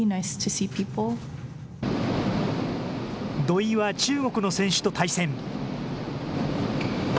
土居は中国の選手と対戦。